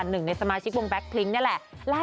หนึ่งในสมาชิกวงแก๊กพลิ้งนี่แหละ